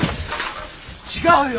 違うよ。